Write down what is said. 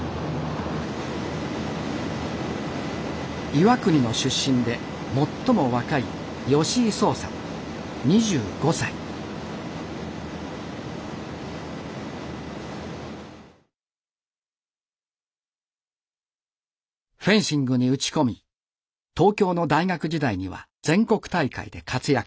岩国の出身で最も若いフェンシングに打ち込み東京の大学時代には全国大会で活躍。